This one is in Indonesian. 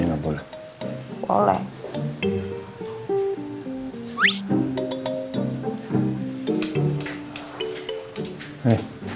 ya udah deh